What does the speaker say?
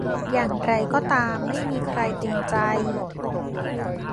อย่างไรก็ตามไม่มีใครเต็มใจ